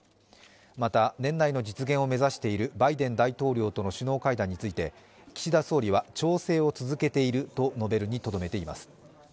また年内の実現を目指しているバイデン大統領との首脳会談について岸田総理は調整を続けていると述べるにとどめています。